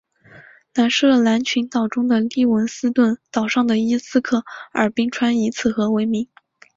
南设得兰群岛中的利文斯顿岛上的伊斯克尔冰川以此河为名。